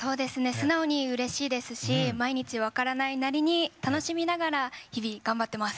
素直にうれしいですし毎日分からないなりに楽しみながら日々頑張ってます。